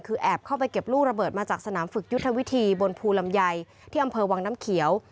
คือแอบเข้าไปเก็บลูกระเบิดมาจากสนามฝึกยุทธวิธีบนภูลำไยที่อำเภอวังน้ำเขียว